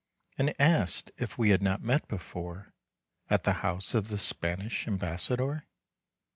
And asked if we had not met before At the house of the Spanish Ambassador?